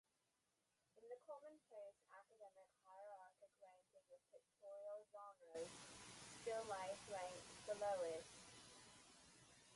In the commonplace Academic hierarchic ranking of pictorial genres, still life ranked the lowest.